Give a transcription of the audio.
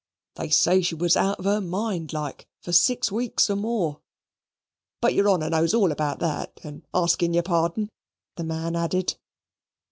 They say she was out of her mind like for six weeks or more. But your honour knows all about that and asking your pardon" the man added.